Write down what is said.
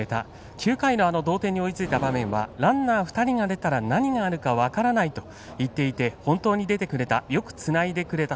９回の同点に追いついた場面はランナー２人が出たら、何があるか分からないと言っていて本当に出てくれたよくつないでくれた。